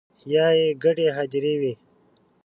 یا يې ګډې هديرې وي